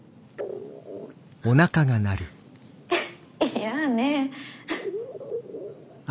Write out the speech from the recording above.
いやあね。